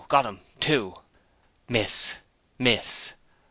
Got 'im! Two!' 'Miss!' 'Miss!'